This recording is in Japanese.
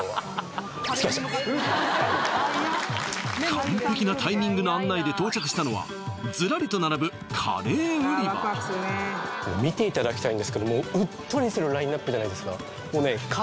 完璧なタイミングの案内で到着したのはずらりと並ぶ見ていただきたいんですけどもじゃないですか？